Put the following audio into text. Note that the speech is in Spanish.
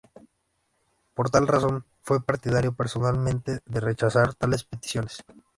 Por tal razón, fue partidario personalmente de rechazar tales peticiones.